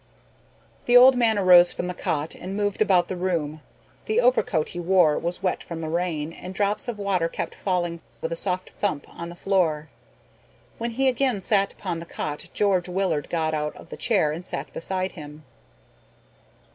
The old man arose from the cot and moved about the room. The overcoat he wore was wet from the rain and drops of water kept falling with a soft thump on the floor. When he again sat upon the cot George Willard got out of the chair and sat beside him.